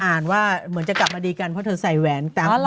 ว่าเหมือนจะกลับมาดีกันเพราะเธอใส่แหวนตามมา